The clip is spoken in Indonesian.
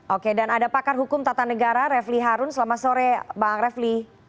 oke dan ada pakar hukum tata negara refli harun selamat sore bang refli